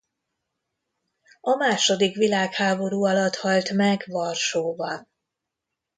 A második világháború alatt halt meg Varsóban.